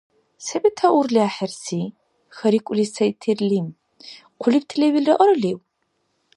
— Се бетаурли, ахӀерси? — хьарикӀули сай Тирлим. — Хъулибти лебилра аралив?